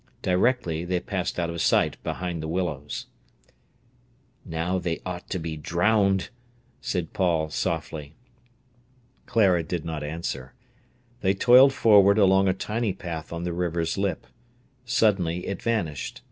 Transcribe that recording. Directly they passed out of sight behind the willows. "Now they ought to be drowned," said Paul softly. Clara did not answer. They toiled forward along a tiny path on the river's lip. Suddenly it vanished.